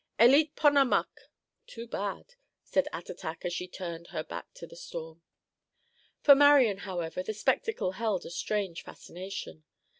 "Eleet pon a muck," (too bad), said Attatak as she turned her back to the storm. For Marian, however, the spectacle held a strange fascination.